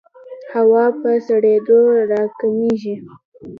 هوا په سړېدو راکمېږي.